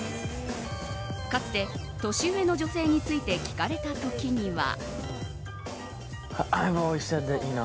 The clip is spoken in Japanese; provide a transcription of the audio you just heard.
かつて年上の女性について聞かれた時には。